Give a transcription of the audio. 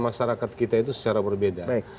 masyarakat kita itu secara berbeda